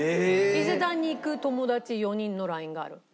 伊勢丹に行く友達４人のＬＩＮＥがある。